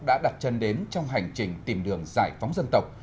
đã đặt chân đến trong hành trình tìm đường giải phóng dân tộc